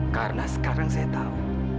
karena sekarang saya tahu